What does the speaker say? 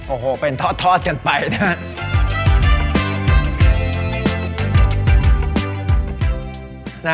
โอ้โหเป็นทอดกันไปนะฮะ